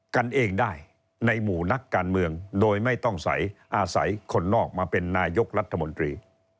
กันเองได้ในหมู่นักการเมืองโดยไม่ต้องใส่อาศัยคนนอกมาเป็นนายกรัฐมนตรี